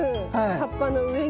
葉っぱの上に。